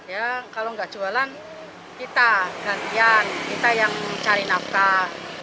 ya kalau nggak jualan kita gantian kita yang cari nafkah